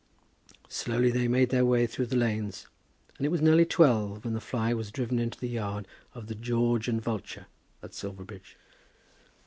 Slowly they made their way through the lanes, and it was nearly twelve when the fly was driven into the yard of the "George and Vulture" at Silverbridge.